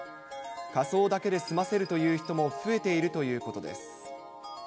火葬だけで済ませるという人も増えているということです。